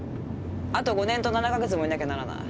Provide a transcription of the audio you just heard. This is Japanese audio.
あと５年と７か月もいなきゃならない。